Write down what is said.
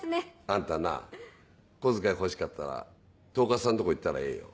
あんたな小遣い欲しかったら統括さんとこ行ったらええよ。